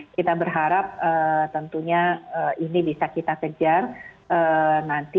kita berharap tentunya ini bisa kita kejar nanti